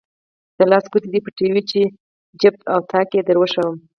د لاس ګوتې دې پټوې چې جفت او طاق یې دروښایم.